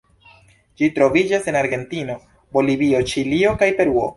Ĝi troviĝas en Argentino, Bolivio, Ĉilio, kaj Peruo.